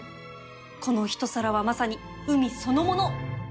この一皿はまさに海そのもの